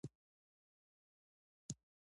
ګیلاس د ژمي شپه ګرمه کوي.